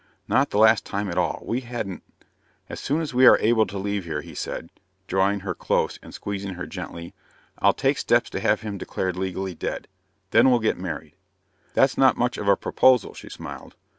"Not the last time at all. We hadn't " "As soon as we are able to leave here," he said, drawing her close and squeezing her gently, "I'll take steps to have him declared legally dead. Then we'll get married." "That's not much of a proposal," she smiled.